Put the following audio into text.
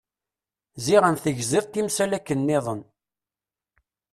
Ziɣen tegziḍ timsal akken-nniḍen.